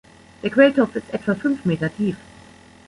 Der Quelltopf ist etwa fünf Meter tief.